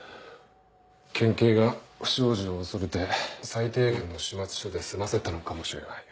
県警が不祥事を恐れて最低限の始末書で済ませたのかもしれない。